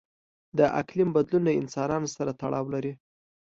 د اقلیم بدلون له انسانانو سره تړاو لري.